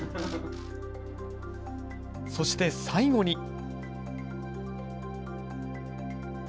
そして最後に。